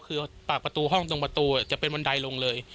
คือปากประตูห้องตรงประตูจะเป็นบันไดลงเลย